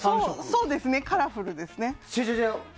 そうですね、カラフルですね。